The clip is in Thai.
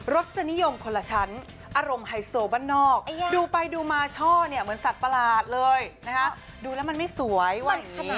รสนิยมคนละชั้นอารมณ์ไฮโซบ้านนอกดูไปดูมาช่อเนี่ยเหมือนสัตว์ประหลาดเลยนะคะดูแล้วมันไม่สวยขนาดนี้